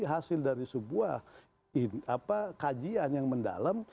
hasil dari sebuah kajian yang mendalam